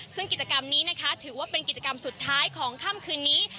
ซึ่งกิจกรรมนี้นะคะถือว่าเป็นกิจกรรมสุดท้ายของค่ำคืนนี้